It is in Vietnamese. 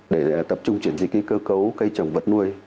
để tập trung chuyển dịch cơ cấu cây trồng vật nuôi